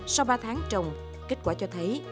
sau ba tháng trồng kết quả cho thấy